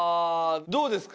どうですか？